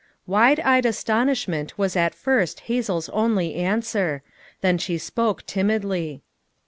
Wide eyed astonishment was at first Hazel's only answer; then she spoke timidly.